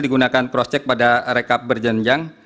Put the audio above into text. digunakan cross check pada rekap berjenjang